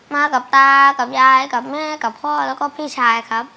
มากับตากับยายกับแม่กับพ่อแล้วก็พี่ชายครับ